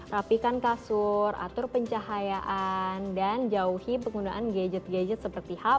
rapikan kasur atur pencahayaan dan jauhi penggunaan gadget gadget seperti hub